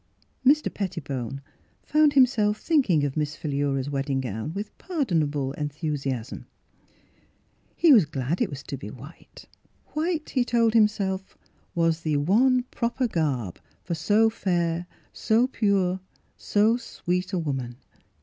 Mr. Pettibone found himself thinking of Miss Philura's wedding gown with par donable enthusiasm. He was glad it was Miss Philura's Wedding Gown to be white. White, he told himself, was the one proper garb for so fair, so pure, so sweet a woman.